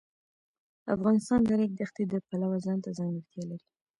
افغانستان د د ریګ دښتې د پلوه ځانته ځانګړتیا لري.